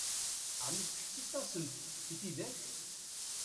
Ɛni tettḥessiseḍ-asent i tidak?